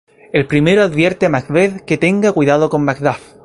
El primero advierte a Macbeth que tenga cuidado con Macduff.